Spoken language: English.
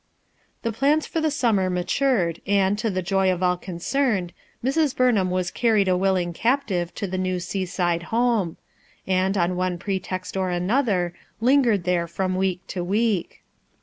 The plans for the summer matured and, to the joy of all concerned, Mrs. Burnham was car ried a willing captive to the new seaside home; and, on one pretext or another, lingered there from week to week.